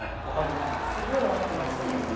すごい分かりやすいですね。